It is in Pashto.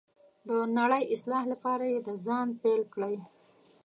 د نړۍ اصلاح لپاره یې د ځانه پیل کړئ.